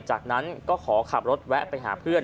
จากนั้นก็ขอขับรถแวะไปหาเพื่อน